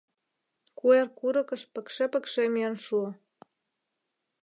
Куэр курыкыш пыкше-пыкше миен шуо.